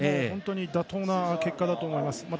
本当に妥当な結果だと思います。